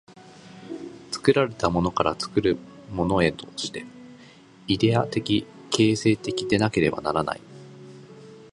作られたものから作るものへとして、イデヤ的形成的でなければならない。